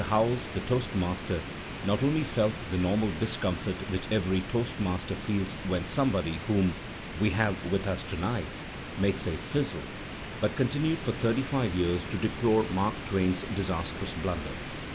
Howells, the toastmaster, not only felt the normal discomfort which every toastmaster feels when some body whom "we have with us to night'* makes a fizzle, but continued for thirty five years to deplore Mark Twain's disastrous blimder.